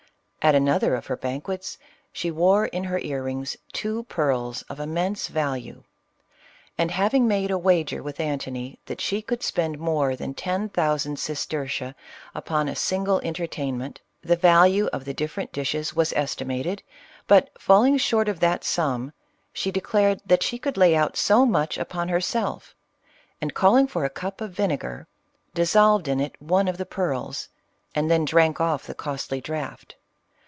At another of her banquets, she wore in her ear rings two pearls of immense value ; and having made a wager with Antony that she could spend more than ten thou sand sestertia upon a single entertainment, the value of the different dishes was estimated, but falling short of that sum, she declared that she could lay out so much upon herself, and calling for a cup of vinegar, dissolved in it one of the pearls, and then drank off the costly draught.